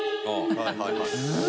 はいはいはい。